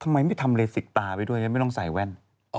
ไม่ทำเลสิกตาไปด้วยไม่ต้องใส่แว่น